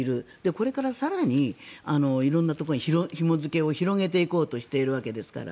これから更に、色んなところにひも付けを広げていこうとしているわけですから。